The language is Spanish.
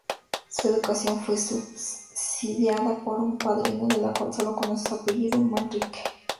Su educación fue subsidiada por un padrino del cual solo conoce su apellido: "Manrique".